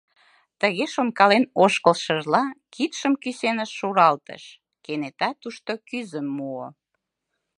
Тыге шонкален ошкылшыжла кидшым кӱсеныш шуралтыш, кенета тушто кӱзым муо.